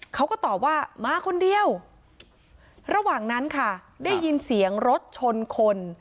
เขาก็ตอบว่ามาคนเดียวระหว่างนั้นค่ะได้ยินเสียงรถชนคน